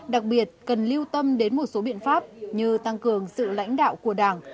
đặc biệt cần lưu tâm đến một số biện pháp như tăng cường sự lãnh đạo của đảng